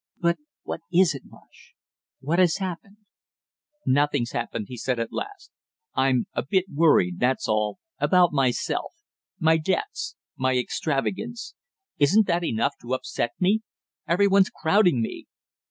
"But what is it, Marsh? What has happened?" "Nothing's happened," he said at last. "I'm a bit worried, that's all, about myself my debts my extravagance; isn't that enough to upset me? Every one's crowding me!"